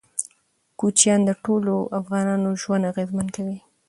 کوچیان د ټولو افغانانو ژوند اغېزمن کوي.